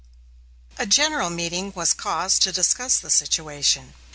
A general meeting was called to discuss the situation.